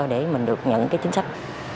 để mình được nhận cái chính sách